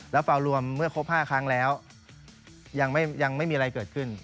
แล้วฟาวรวมเมื่อครบ๕ครั้งแล้วยังไม่มีอะไรเกิดขึ้น